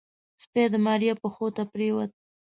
سپي د ماريا پښو ته پرېوت.